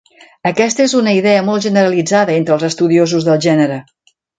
Aquesta és una idea molt generalitzada entre els estudiosos del gènere.